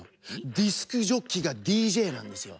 「ディスクジョッキー」が「ＤＪ」なんですよ。